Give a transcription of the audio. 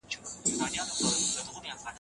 له بد کار څخه خلک منع کړئ.